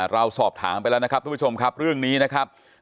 เราสอบถามไปแล้วนะครับทุกผู้ชมครับเรื่องนี้นะครับ